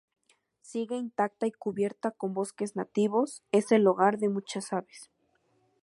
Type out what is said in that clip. Sigue intacta y cubierta con bosques nativos, es el hogar de muchas aves.